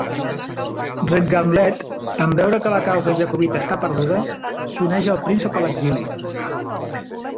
Redgauntlet, en veure que la causa jacobita està perduda, s'uneix al príncep a l'exili.